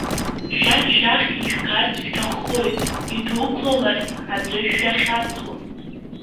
Шәа шәахь ииажәгарц шәҭаххоит, идәықәлаларц, атрышә шәахьасуа…